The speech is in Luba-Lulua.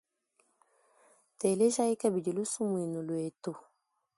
Telejayi kabidi lusumuinu lwetu.